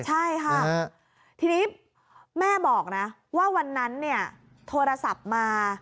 ใช่ค่ะทีนี้แม่บอกนะว่าวันนั้นเนี่ยโทรศัพท์มา